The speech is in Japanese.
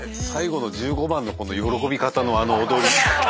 最後の１５番の子の喜び方のあの踊り。